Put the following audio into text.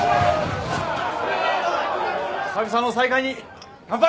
久々の再会に乾杯。